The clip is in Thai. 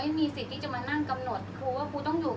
อันไหนที่มันไม่จริงแล้วอาจารย์อยากพูด